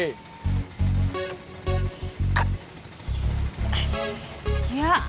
kasih liat lah